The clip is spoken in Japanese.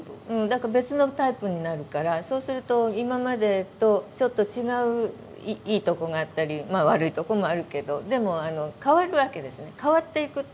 だから別のタイプになるからそうすると今までとちょっと違ういいとこがあったりまあ悪いとこもあるけどでもあの変わるわけですね。